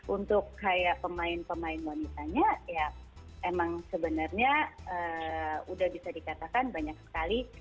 untuk kayak pemain pemain wanitanya ya emang sebenarnya udah bisa dikatakan banyak sekali